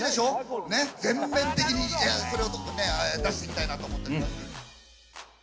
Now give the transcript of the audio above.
全面的にそれをちょっとね出していきたいなと思っております。